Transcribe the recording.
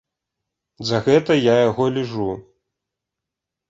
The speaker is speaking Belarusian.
За гэта я яго ліжу.